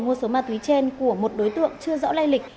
mua số ma túy trên của một đối tượng chưa rõ lây lịch